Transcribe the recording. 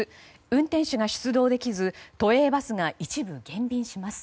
運転手が出動できず都営バスが一部減便します。